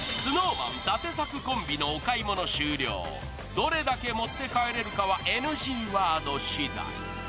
どれだけ持って帰れるかはＮＣワードしだい。